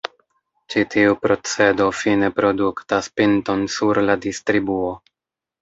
Ĉi-tiu procedo fine produktas pinton sur la distribuo.